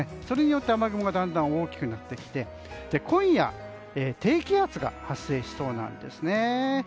それによって雨雲がだんだん大きくなってきて今夜、低気圧が発生しそうなんですね。